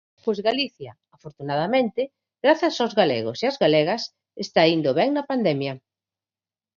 Pois Galicia, afortunadamente, grazas aos galegos e ás galegas, está indo ben na pandemia.